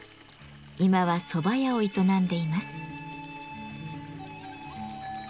今はそば屋を営んでいます。